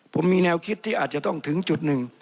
ผมมีแนวคิดที่อาจจะต้องถึงจุดหนึ่ง